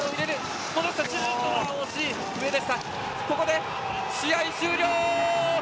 ここで試合終了！